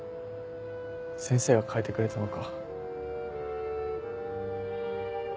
先生が変えてくれたのか。